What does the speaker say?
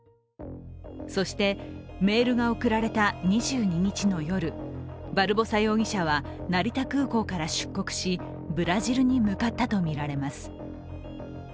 そしてメールが送られた２２日の夜、バルボサ容疑者は成田空港から出国しブラジルに向かったとみられます。